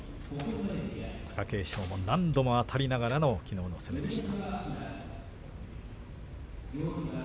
貴景勝も何度もあたりながらのきのうの攻めでした。